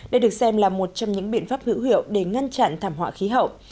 đây được xem là một trong những biện pháp hữu hiệu để ngăn chặn thảm họa khí hậu